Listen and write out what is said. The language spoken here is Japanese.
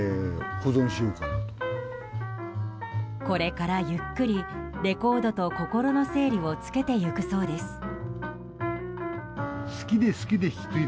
これからゆっくり、レコードと心の整理をつけてゆくそうです。